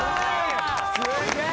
すげえ。